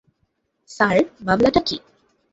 Sir, মামলাটা কী?